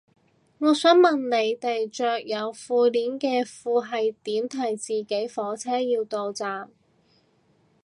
我想問你哋着有褲鏈嘅褲係點提自己火車要到站